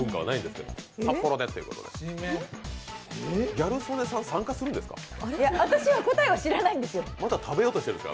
ギャル曽根さん、参加するんですか？